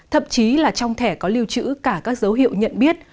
thậm chí là trong thẻ có lưu trữ cả các dấu hiệu nhận biết